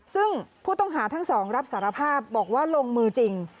ซึ่งผู้ต้องหาทั้งสองรับสารภาพบอกว่าลงมือจริง